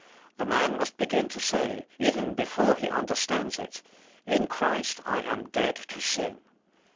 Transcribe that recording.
The man must begin to say, even before he understands it, "In Christ I am dead to sin."